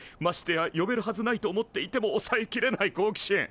ましてや呼べるはずないと思っていてもおさえきれない好奇心。